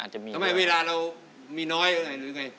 ทำไมเวลาเรามีน้อยหรือไง